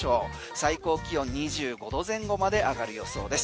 最高気温２５度前後まで上がる予想です。